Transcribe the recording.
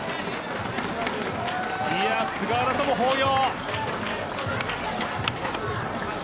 菅原とも抱擁。